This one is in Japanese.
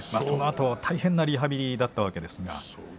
そのあと大変なリハビリになったわけですが。